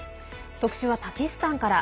特集はパキスタンから。